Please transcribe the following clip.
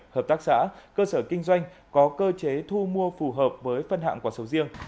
hợp tác xã cơ sở kinh doanh có cơ chế thu mua phù hợp với phân hạng quả sầu riêng